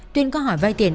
tuyên có hỏi vai tiền